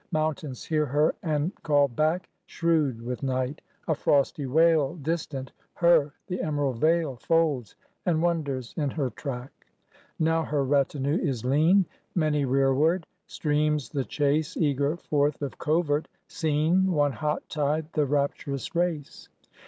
Mountains hear her and call back, Shrewd with night: a frosty wail Distant: her the emerald vale Folds, and wonders in her track. Now her retinue is lean, Many rearward; streams the chase Eager forth of covert; seen One hot tide the rapturous race.